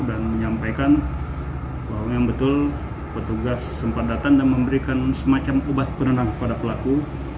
dan menyampaikan bahwa yang betul petugas sempat datang dan memberikan semacam obat penenang kepada pelaku